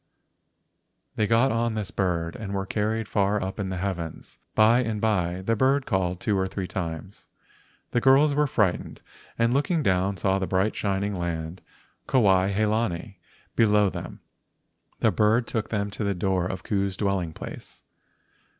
They got on this, bird and were carried far up in the heavens. By and by the bird called two or three times. The girls were frightened and looking down saw the bright shining land Kuai he lani below them. The bird took them to the door of Ku's dwelling place.